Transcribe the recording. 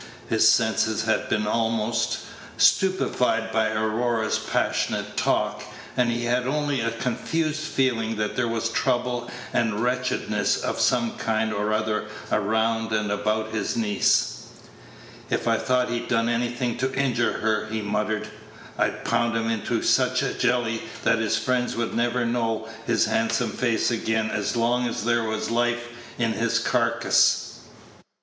His senses had been almost stupefied by Aurora's passionate talk, and he had only a confused feeling that there was trouble and wretchedness of some kind or other around and about his niece. "If I thought he'd done anything to injure her," he muttered, "I'd pound him into such a jelly that his friends would never know his handsome face again as long as there was life in his carcass."